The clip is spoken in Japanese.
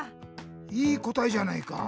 いいこたえじゃないか。